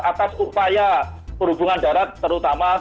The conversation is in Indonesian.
atas upaya perhubungan darat terutama